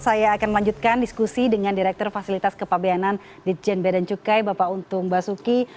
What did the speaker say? saya akan melanjutkan diskusi dengan direktur fasilitas kepabianan ditjen bedan cukai bapak untung basuki